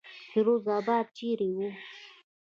فیروز آباد چېرې وو.